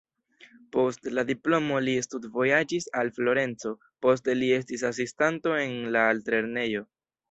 Post la diplomo li studvojaĝis al Florenco, poste li estis asistanto en la altlernejo.